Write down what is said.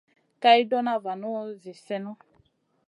Kay ɗona vanu zi sèhnu.